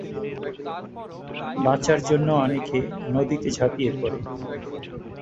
বাঁচার জন্য অনেকে নদীতে ঝাঁপিয়ে পড়ে।